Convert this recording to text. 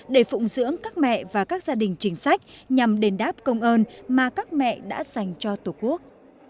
để phụng dưỡng các mẹ và các gia đình chính sách nhằm đền đáp công ơn mà các mẹ đã dành cho tổ quốc